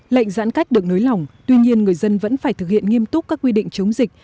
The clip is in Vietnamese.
lệnh giãn cách được nới lỏng tuy nhiên người dân vẫn phải thực hiện nghiêm túc các quy định chống dịch